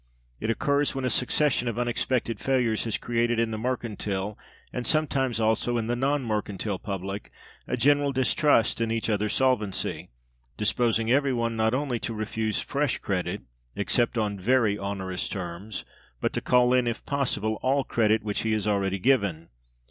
It occurs when a succession of unexpected failures has created in the mercantile, and sometimes also in the non mercantile public, a general distrust in each other's solvency; disposing every one not only to refuse fresh credit, except on very onerous terms, but to call in, if possible, all credit which he has already given.